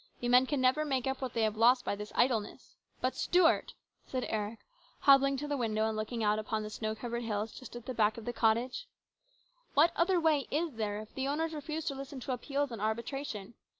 The men can never make up what they have lost by this idleness. But, Stuart !" said Eric, hobbling to the window and looking out on the snow covered hills just at the back of the cottage, " what other way is there, if the owners refuse to listen to appeals and arbitration